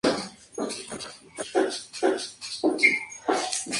En aquellos momentos era el presidente de la Federación de Atletismo de Nueva Zelanda.